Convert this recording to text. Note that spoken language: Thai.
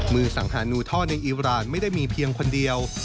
สังหารูท่อในอิราณไม่ได้มีเพียงคนเดียว